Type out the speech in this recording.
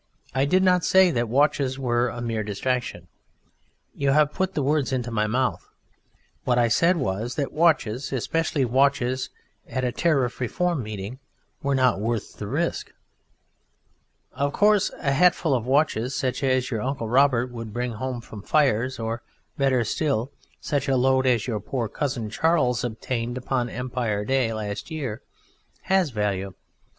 I did not say that watches were "a mere distraction." You have put the words into my mouth. What I said was that watches, especially watches at a Tariff Reform meeting, were not worth the risk. Of course a hatful of watches, such as your Uncle Robert would bring home from fires, or better still, such a load as your poor cousin Charles obtained upon Empire Day last year, has value.